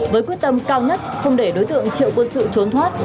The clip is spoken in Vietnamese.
với quyết tâm cao nhất không để đối tượng triệu quân sự trốn thoát